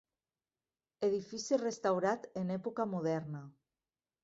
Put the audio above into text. Edifici restaurat en època moderna.